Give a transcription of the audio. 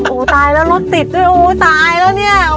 โอ้ตายแล้วรถสิทธิ์โอ้ตายแล้วเนี่ย